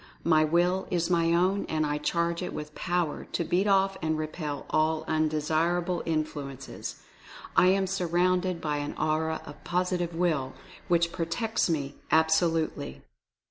My Will is my own, and I charge it with Power to beat off and repel all undesirable influences. I am surrounded by an Aura of Positive Will, which protects me absolutely."